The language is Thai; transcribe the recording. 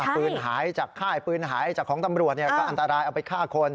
ปืนหายจากค่ายปืนหายจากของตำรวจก็อันตรายเอาไปฆ่าคน